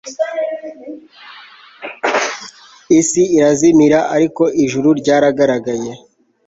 isi irazimira, ariko ijuru ryaragaragaye